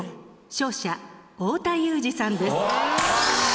勝者太田裕二さんです。